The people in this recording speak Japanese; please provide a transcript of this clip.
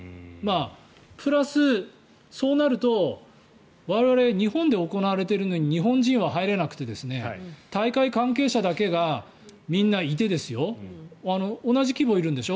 プラスそうなると我々、日本で行われているのに日本人は入れなくて大会関係者だけがみんないて同じ規模、いるんでしょ？